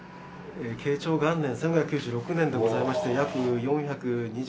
慶長元年１５９６年でございまして約四百二十数年。